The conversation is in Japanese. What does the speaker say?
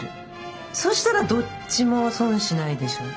そしたらどっちも損しないでしょ。